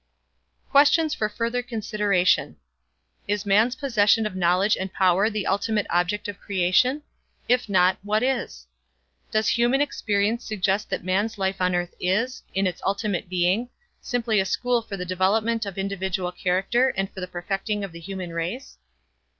Questions for Further Consideration. Is man's possession of knowledge and power the ultimate object of creation? If not, what is? Does human experience suggest that man's life on earth is, in its ultimate meaning, simply a school for the development of individual character and for the perfecting of the human race?